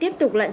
chắc là anh